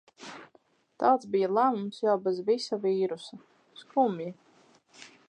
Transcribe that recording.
Tāds bija lēmums jau bez visa vīrusa... Skumji...